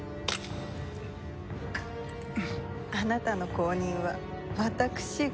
あなたの後任は私が。